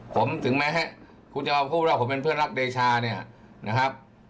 ผมถึงแม้คุณจะมาพูดว่าผมเป็นเพื่อนรักเดชาเนี่ยนะครับ